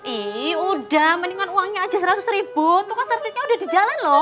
ini udah mendingan uangnya aja seratus ribu itu kan servisnya udah di jalan loh